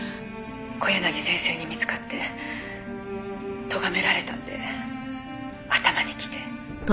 「小柳先生に見つかってとがめられたので頭にきて」